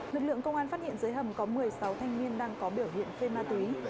lực lượng công an phát hiện dưới hầm có một mươi sáu thanh niên đang có biểu hiện phê ma túy